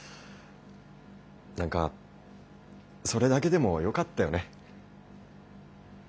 何かそれだけでもよかったよね。